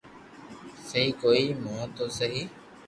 سھي ڪوئي مون تو سھي